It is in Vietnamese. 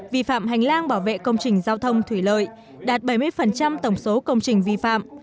vi phạm hành lang bảo vệ công trình giao thông thủy lợi đạt bảy mươi tổng số công trình vi phạm